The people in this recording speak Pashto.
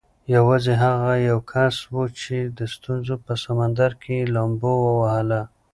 یوازې هغه یو کس و چې د ستونزو په سمندر کې یې لامبو ووهله.